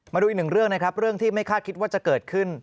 มาดูอีกหนึ่งเรื่องนะครับเรื่องที่ไม่คาดคิดว่าจะเกิดขึ้น